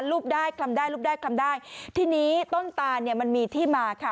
รูปด้ายคลรมได้ทิศนี่ต้นตานเนี่ยมันมีที่มาค่ะ